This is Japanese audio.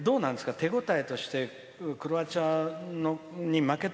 手応えとしてクロアチアに負けた。